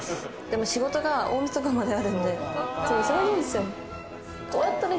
でも仕事が大みそかまであるんで、忙しいんですよね。